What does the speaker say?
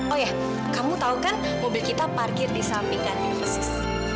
oh ya kamu tau kan mobil kita parkir di samping kantin pesis